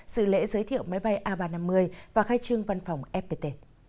sự lễ giới thiệu máy bay a ba trăm năm mươi và khai trương văn phòng fpt